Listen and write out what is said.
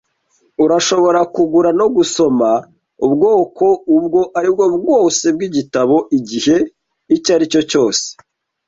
Urashobora kugura no gusoma ubwoko ubwo aribwo bwose bw'igitabo igihe icyo aricyo cyose.